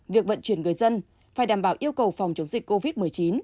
việc vận chuyển người dân phải đảm bảo yêu cầu phòng chống dịch covid một mươi chín